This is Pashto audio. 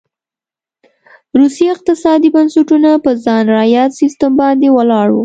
روسي اقتصادي بنسټونه په خان رعیت سیستم باندې ولاړ و.